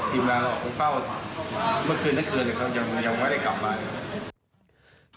ทีมราเราเข้าเมื่อคืนเมื่อคืนยังไม่ได้กลับมา